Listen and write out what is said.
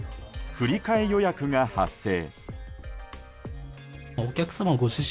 振り替え予約が発生。